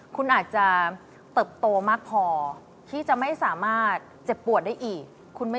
คุณอาจจะเติบโตมากพอ